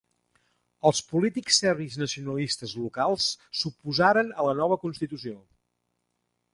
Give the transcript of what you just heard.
Els polítics serbis nacionalistes locals s'oposaren a la nova Constitució.